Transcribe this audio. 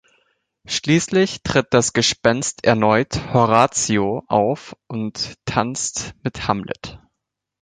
Schließlich tritt als Gespenst erneut Horatio auf und tanzt mit Hamlet.